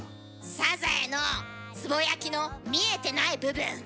サザエのつぼ焼きの見えてない部分。